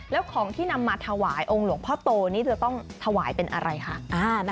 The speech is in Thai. แล้วของที่นำมาถวายองค์หลวงพ่อโตนี่จะต้องถวายเป็นอะไรคะ